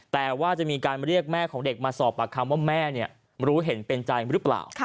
แต่ว่าจะมีการเรียกแม่ของเด็กมาสอบปากคำว่าแม่รู้เห็นเป็นใจหรือเปล่า